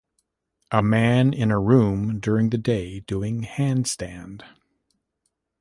A man in a room during the day doing handstand.